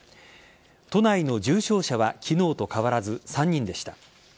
都内の重症者は昨日と変わらず３人でした。